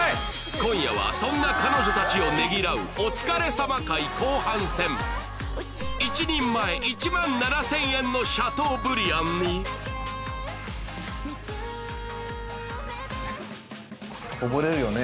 今夜はそんな彼女たちをねぎらうお疲れ様会後半戦１人前１７０００円のシャトーブリアンにこぼれるよね